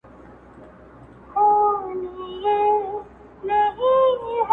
تیارو د بیلتانه ته به مي بېرته رڼا راسي٫